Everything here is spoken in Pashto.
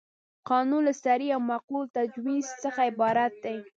قانون له صریح او معقول تجویز څخه عبارت دی.